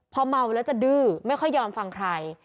พอเมาแล้วจะดื้อไม่ค่อยยอมฟังใคร